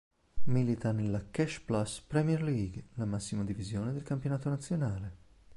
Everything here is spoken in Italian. Milita nella Cash Plus Premier League, la massima divisione del campionato nazionale.